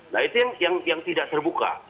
nah itu yang tidak terbuka